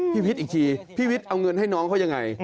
วิทย์อีกทีพี่วิทย์เอาเงินให้น้องเขายังไง